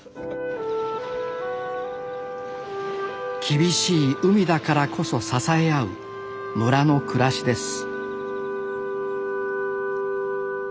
厳しい海だからこそ支え合う村の暮らしです